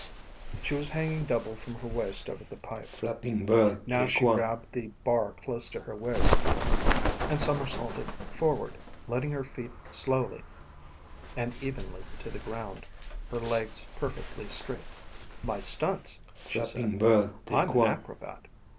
She was hanging double from her waist over the pipe. Now she grabbed the bar close to her waist and somersaulted forward, letting her feet slowly and evenly to the ground, her legs perfectly straight. "My stunts," she said. "I'm an acrobat."